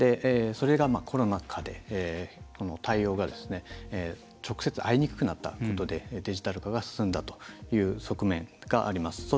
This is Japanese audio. それがコロナ禍で対応が直接、会いにくくなったことでデジタル化が進んだという側面があります。